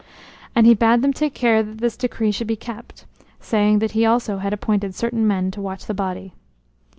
And he bade them take care that this decree should be kept, saying that he had also appointed certain men to watch the dead body.